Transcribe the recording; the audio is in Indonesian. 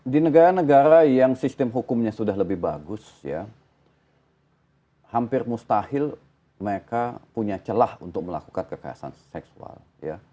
di negara negara yang sistem hukumnya sudah lebih bagus ya hampir mustahil mereka punya celah untuk melakukan kekerasan seksual ya